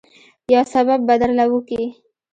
يو سبب به درله وکي.